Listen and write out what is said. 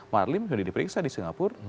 marlim sudah diperiksa di singapura